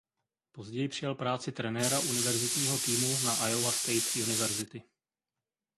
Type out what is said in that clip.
Později přijal práci trenéra univerzitního týmu na Iowa State University.